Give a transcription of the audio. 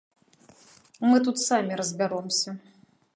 Мы тут самі разбяромся.